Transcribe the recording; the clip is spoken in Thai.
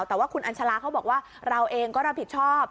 แต่ว่าคุณอัญชาลาเขาบอกว่าเราเองก็รับผิดชอบ